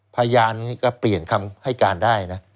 พยานก็เปลี่ยนคำให้การได้นะ